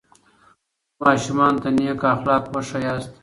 خپلو ماشومانو ته نیک اخلاق وښایاست.